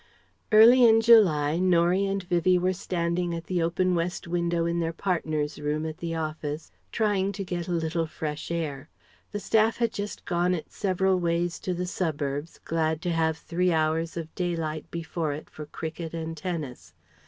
Early in July, Norie and Vivie were standing at the open west window in their partners' room at the office, trying to get a little fresh air. The staff had just gone its several ways to the suburbs, glad to have three hours of daylight before it for cricket and tennis.